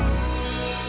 mama yang pergi